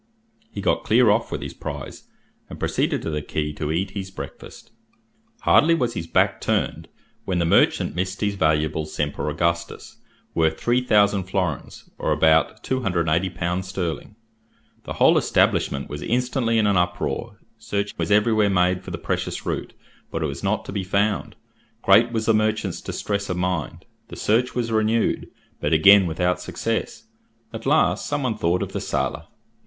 He got clear off with his prize, and proceeded to the quay to eat his breakfast. Hardly was his back turned when the merchant missed his valuable Semper Augustus, worth three thousand florins, or about 280l. sterling. The whole establishment was instantly in an uproar; search was every where made for the precious root, but it was not to be found. Great was the merchant's distress of mind. The search was renewed, but again without success. At last some one thought of the sailor.